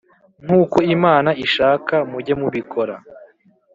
nk uko Imana ishaka mujye mubikora